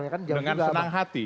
dengan senang hati